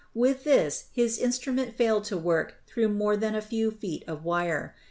With this his instrument failed to work through more than a few feet of wire.